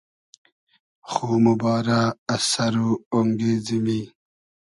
خو موبارۂ از سئر و اۉنگې زیمی